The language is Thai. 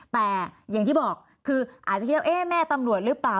แต่อย่างที่บอกคืออาจจะคิดว่าเอ๊ะแม่ตำรวจหรือเปล่า